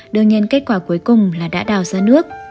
đương nhiên kết quả cuối cùng là đã đào ra nước